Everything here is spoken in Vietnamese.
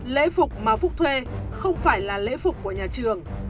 lễ phục mà phúc thuê không phải là lễ phục của nhà trường